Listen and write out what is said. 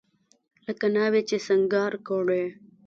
لکه ناوې چې سينګار کړې.